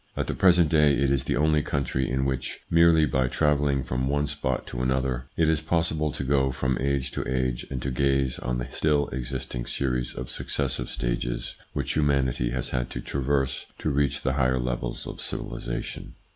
At the present day it is the only country in which, merely by travelling from one spot to another, it is possible to go from age to age and to gaze on the still existing series of successive stages which humanity has had to traverse to reach the higher levels of civilisation.